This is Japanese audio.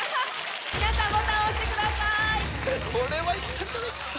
皆さんボタン押してください。